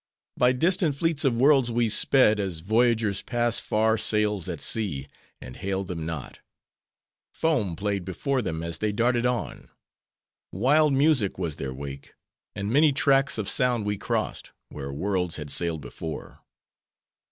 "By distant fleets of worlds we sped, as voyagers pass far sails at sea, and hail them not. Foam played before them as they darted on; wild music was their wake; and many tracks of sound we crossed, where worlds had sailed before.